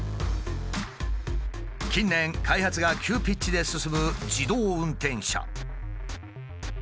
近年開発が急ピッチで進む自動運転車。